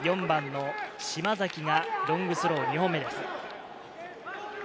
４番の島崎がロングスロー２本目です。